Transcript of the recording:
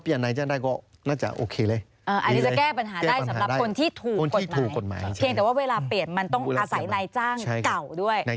เพียงแต่เวลาเปรียบก็ต้องเงินในจ้างก่อนด้วย